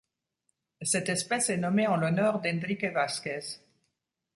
Cette espèce est nommée en l'honneur d'Enrique Vasquez.